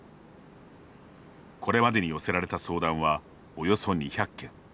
これまでに寄せられた相談はおよそ２００件。